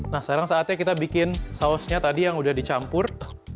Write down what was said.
nah sekarang saatnya kita bikin sausnya tadi yang udah dicampur